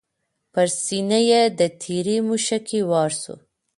پر سینه یې د تیرې مشوکي وار سو